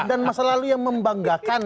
dan masa lalu yang membanggakan